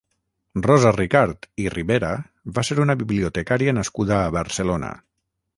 Rosa Ricart i Ribera va ser una bibliotecària nascuda a Barcelona.